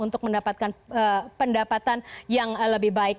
untuk mendapatkan pendapatan yang lebih baik